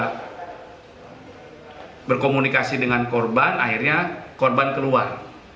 ketika berkomunikasi dengan korban akhirnya korban keluar